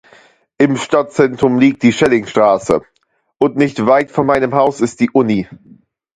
Im Stadtzentrum liegt die Schellingstraße, und nicht weit von meinem Haus ist die Uni.